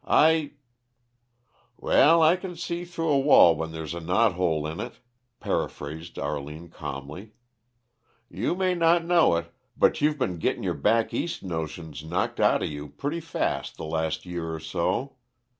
I " "Well, I c'n see through a wall when there's a knothole in it," paraphrased Arline calmly. "You may not know it, but you've been gittin' your back East notions knocked outa you pretty fast the last year or so.